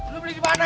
lu beli di mana